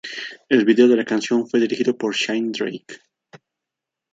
El video de la canción fue dirigido por Shane Drake.